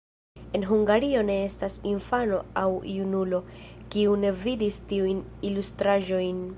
En Hungario ne estas infano aŭ junulo, kiu ne vidis tiujn ilustraĵojn.